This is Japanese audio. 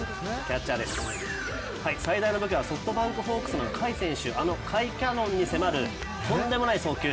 最大の武器はソフトバンクホークス・甲斐選手あの甲斐キャノンに迫るとんでもない送球。